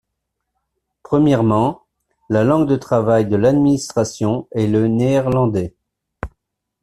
Premièrement, la langue de travail de l'administration est le néerlandais.